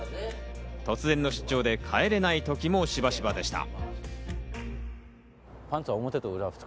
突然の出張で帰れない時もしばしばでした。